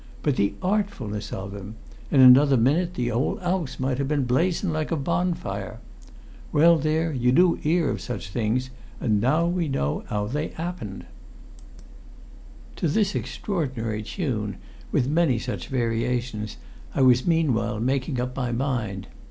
But the artfulness of 'im: in another minute the whole 'ouse might've been blazing like a bonfire! Well, there, you do 'ear of such things, and now we know 'ow they 'appen." To this extraordinary tune, with many such variations, I was meanwhile making up my mind.